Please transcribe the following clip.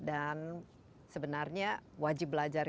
dan sebenarnya wajib belajar